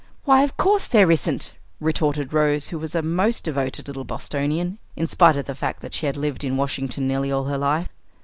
"Why, of course there isn't," retorted Rose, who was a most devoted little Bostonian, in spite of the fact that she had lived in Washington nearly all her life.